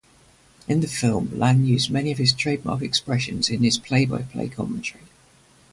In the film, Lange used many of his trademark expressions in his play-by-play commentary.